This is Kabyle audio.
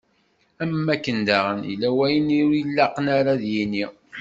Am wakken daɣen, yella wayen ur ilaq ara ad yini.